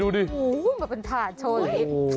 โอ้วเหมือนกันถ่านโชว์เห็น